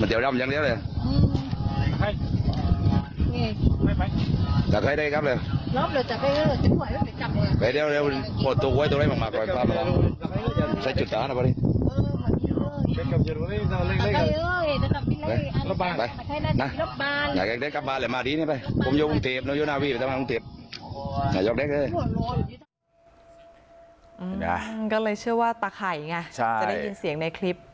ด้วยกกดเล็กกอายก็เลยเชื่อว่าตาไข่ไงจะได้ยินเสียงในคลิป